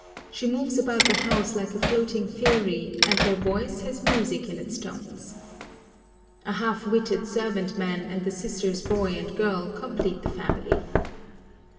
She moves about the house like a floating fairy, and her voice has music in its tones. A half witted servant man and the sister's boy and girl complete the family.